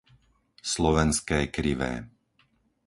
Slovenské Krivé